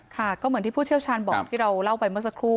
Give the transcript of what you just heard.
ค่ะก็เหมือนที่ผู้เชี่ยวชาญบอกที่เราเล่าไปเมื่อสักครู่